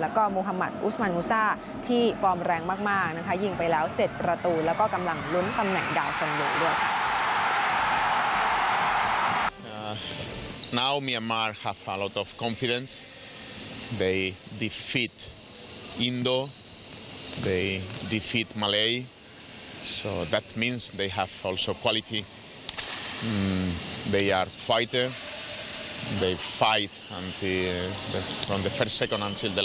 แล้วก็โมฮามัติอุสมานูซ่าที่ฟอร์มแรงมากนะคะยิงไปแล้ว๗ประตูแล้วก็กำลังลุ้นตำแหน่งดาวสันโดด้วยค่ะ